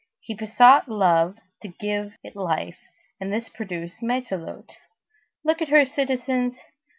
He besought Love to give it life, and this produced Matelote. Look at her, citizens!